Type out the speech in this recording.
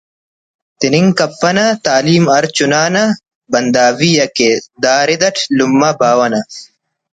تننگ کپنہ تعلیم ہر چنا نا بنداوی حق ءِ دا رد اٹ لمہ باوہ نا